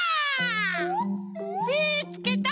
みつけた！